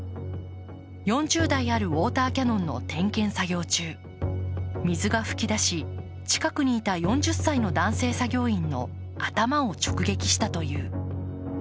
４０台あるウォーターキャノンの点検作業中、水が噴き出し、近くにいた４０歳の男性作業員の頭を直撃したという。